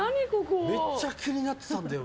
めっちゃ気になってたんだよ